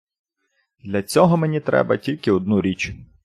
Для цього мені треба тільки одну річ.